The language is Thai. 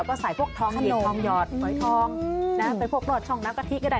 ไปพบบรหัวช่องก๋อน้ำกะทิก็ได้